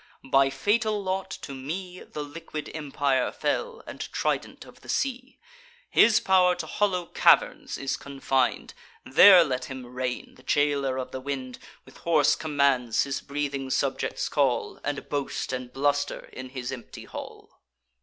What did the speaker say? By fatal lot to me The liquid empire fell, and trident of the sea. His pow'r to hollow caverns is confin'd: There let him reign, the jailer of the wind, With hoarse commands his breathing subjects call, And boast and bluster in his empty hall."